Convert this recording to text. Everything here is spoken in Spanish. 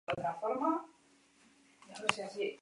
La localidad tipo es el Cabo de Buena Esperanza.